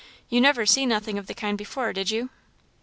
You never see nothing of the kind before, did you?"